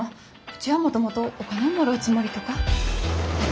うちはもともとお金をもらうつもりとか。